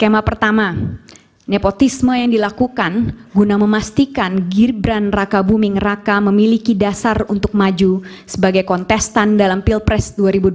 tema pertama nepotisme yang dilakukan guna memastikan gibran raka buming raka memiliki dasar untuk maju sebagai kontestan dalam pilpres dua ribu dua puluh